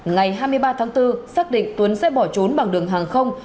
ngày hai mươi ba tháng bốn xác định tuấn sẽ bỏ trốn bằng đường hàng không